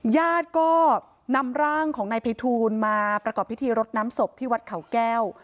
ญาติก็นำร่างของนายภัยทูลมาประกอบพิธีรดน้ำศพที่วัดเขาแก้ว